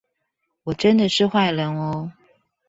我真的是壞人喔